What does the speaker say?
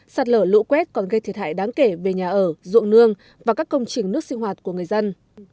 sạt lở lũ quét còn gây thiệt hại đáng kể về nhà ở ruộng nương và các công trình nước sinh hoạt của người dân